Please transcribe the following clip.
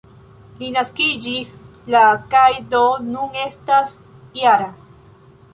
Li naskiĝis la kaj do nun estas -jara.